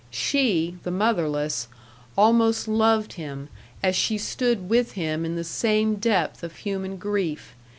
She, the motherless, almost loved him as she stood with him in the same depth of human grief.